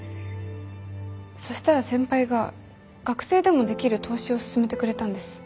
そしたら先輩が学生でもできる投資を勧めてくれたんです。